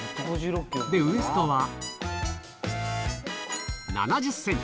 で、ウエストは７０センチ。